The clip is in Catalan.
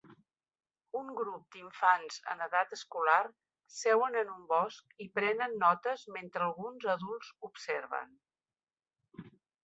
Un grup d'infants en edat escolar seuen en un bosc i prenen notes metre alguns adults observen.